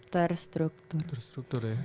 terstruktur terstruktur ya